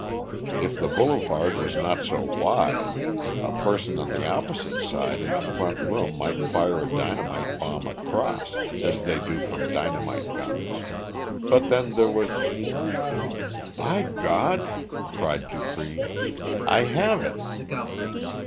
If the Boulevard was not so wide, a person on the opposite side in a front room might fire a dynamite bomb across, as they do from dynamite guns, but then there was "By God!" cried Dupré, "I have it!"